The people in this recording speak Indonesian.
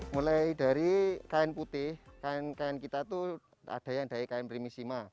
mulai dari kain putih kain kain kita itu ada yang dari kain primisima